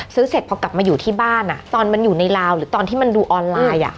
เสร็จพอกลับมาอยู่ที่บ้านตอนมันอยู่ในลาวหรือตอนที่มันดูออนไลน์